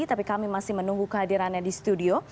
tapi kami masih menunggu kehadirannya di studio